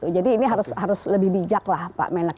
jadi ini harus lebih bijak pak menak